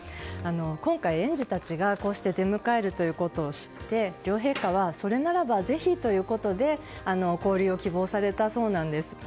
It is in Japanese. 今回、園児たちがこうして出迎えるということを知って両陛下はそれならばぜひということで交流を希望されたそうなんです。